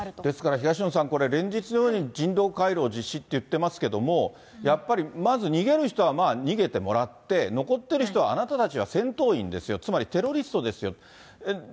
ですから東野さん、連日のように人道回廊実施って言ってますけど、やっぱりまず逃げる人は逃げてもらって、残っている人はあなたたちは戦闘員ですよ、つまり、テロリストですよと。